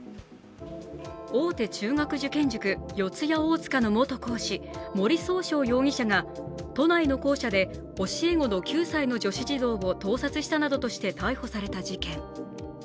大手中学受験塾・四谷大塚の元講師、森崇翔容疑者が都内の校舎で教え子の９歳の女子児童を盗撮したなどとして逮捕された事件。